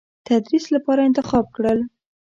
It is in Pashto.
تدریس لپاره انتخاب کړل.